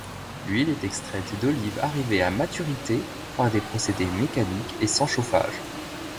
L'huile est extraite d'olives arrivées à maturité, par des procédés mécaniques, et sans chauffage.